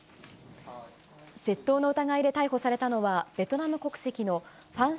窃盗の疑いで逮捕されたのは、ベトナム国籍のファン